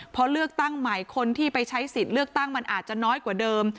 พอเลือกตั้งใหม่คนที่ไปใช้สิทธิ์เลือกตั้งมันอาจจะน้อยกว่าเดิม